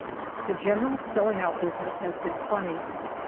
The general selling out business has been funny.